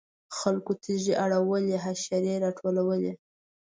خلکو تیږې اړولې حشرې راټولولې.